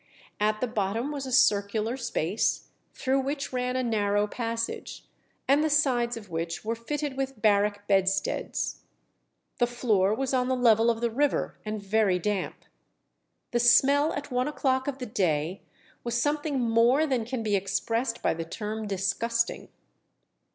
At the bottom was a circular space, through which ran a narrow passage, and the sides of which were fitted with barrack bedsteads. The floor was on the level of the river, and very damp. The smell at one o'clock of the day "was something more than can be expressed by the term disgusting."